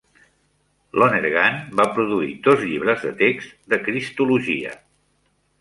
Lonergan va produir dos llibres de text de cristologia.